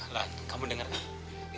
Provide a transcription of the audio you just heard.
lan kamu denger gak